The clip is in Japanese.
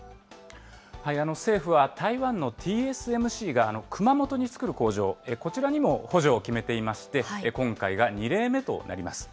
政府は、台湾のＴＳＭＣが熊本に作る工場、こちらにも補助を決めていまして、今回が２例目となります。